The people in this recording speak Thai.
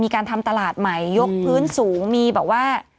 การทำตลาดใหม่ยกพื้นสูงมีแบบว่า